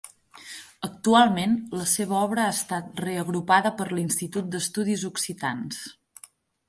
Actualment, la seva obra ha estat reagrupada per l'Institut d'Estudis Occitans.